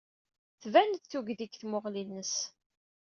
Tban-d tugdi deg tmuɣli-nnes.